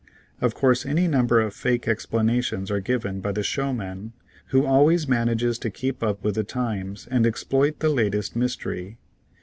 Of course any number of "fake" explanations are given by the showman who always manages to keep up with the times and exploit the latest mystery.